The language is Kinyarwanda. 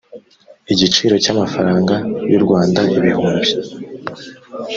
igiciro cy amafaranga y u rwanda ibihumbi